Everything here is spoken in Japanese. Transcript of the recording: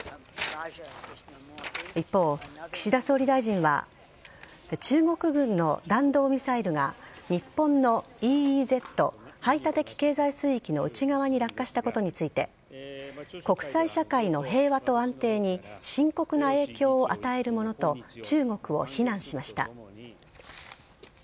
一方、岸田総理大臣は中国軍の弾道ミサイルが日本のＥＥＺ＝排他的経済水域の内側に落下したことについて国際社会の平和と安定に深刻な影響を与えるものと中国を非難しました。